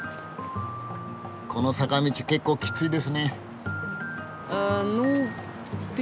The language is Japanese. この坂道結構きついですね。